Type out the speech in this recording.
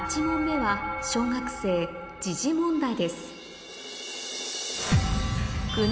８問目は小学生問題です